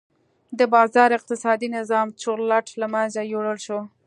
د بازار اقتصادي نظام چورلټ له منځه یووړل شو.